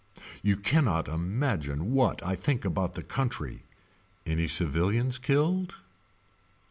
You cannot imagine what I think about the country. Any civilians killed.